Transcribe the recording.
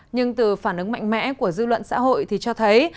nhưng từ phản ứng mạnh mẽ của dư luận xã hội thì cho thấy